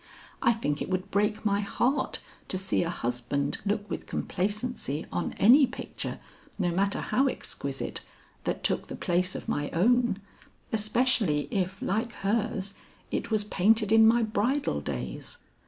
I think it would break my heart to see a husband look with complacency on any picture, no matter how exquisite, that took the place of my own, especially if like her's, it was painted in my bridal days.